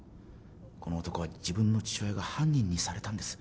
この男は自分の父親が犯人にされたんです